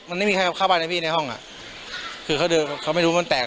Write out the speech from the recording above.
มันไม่มีใครเข้าบ้านนะพี่ในห้องอ่ะคือเขาเดินเขาไม่รู้มันแตก